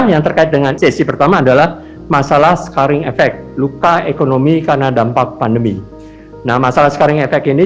yang tersebut jadi untuk mencari efek luka ekonomi karena dampak pandemi nah masalah sekarang efek ini